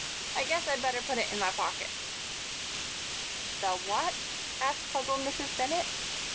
"I guess I'd better put it in my pocket." "The what?" asked puzzled Mrs. Bennett.